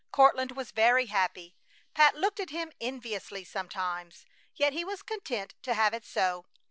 Courtland was very happy. Pat looked at him enviously sometimes, yet he was content to have it so.